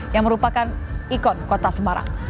yang merupakan ikon kota semarang